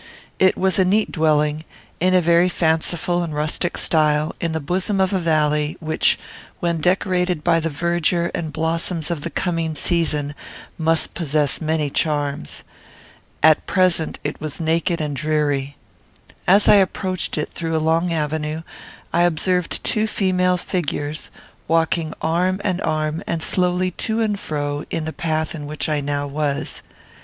It was a neat dwelling, in a very fanciful and rustic style, in the bosom of a valley, which, when decorated by the verdure and blossoms of the coming season, must possess many charms. At present it was naked and dreary. As I approached it, through a long avenue, I observed two female figures, walking arm in arm and slowly to and fro, in the path in which I now was.